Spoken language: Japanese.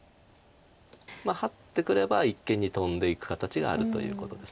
ハッてくれば一間にトンでいく形があるということです。